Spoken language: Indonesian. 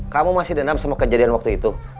kamu masih dendam sama kejadian waktu itu